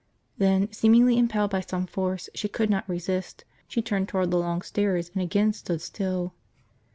Then, seemingly impelled by some force she could not resist, she turned toward the long stairs and again stood still.